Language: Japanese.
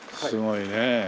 すごいねえ。